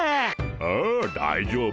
ああ大丈夫。